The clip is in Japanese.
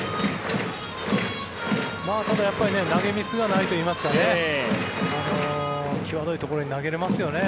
ただ投げミスがないといいますか際どいところに投げれますよね。